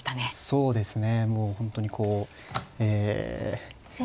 そうですね。